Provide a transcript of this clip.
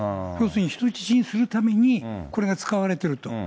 要するに人質にするために、これが使われていると。